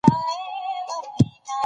زه د پښتو ژبې په اړه څېړنه کوم.